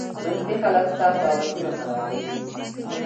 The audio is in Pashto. منفي خلک ستاسو عادتونه خرابوي.